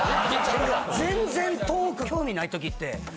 全然トーク興味ない時って。